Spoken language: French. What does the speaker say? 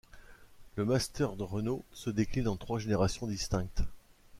Le Master de Renault se décline en trois générations distinctes.